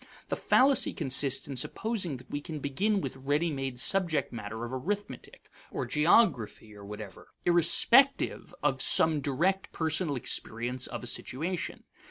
The fallacy consists in supposing that we can begin with ready made subject matter of arithmetic, or geography, or whatever, irrespective of some direct personal experience of a situation.